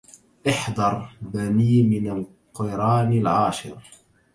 احذر بني من القران العاشر